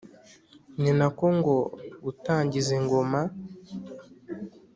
ni na ko ngo gatangiza ingoma